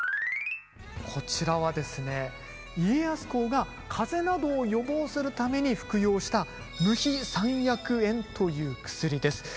こちらはですね家康公が風邪などを予防するために服用した無比山薬円という薬です。